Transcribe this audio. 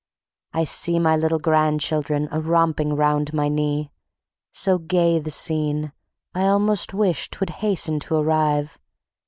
I see my little grandchildren a romping round my knee; So gay the scene, I almost wish 'twould hasten to arrive.